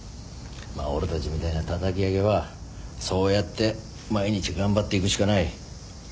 まあ俺たちみたいなたたき上げはそうやって毎日頑張っていくしかない。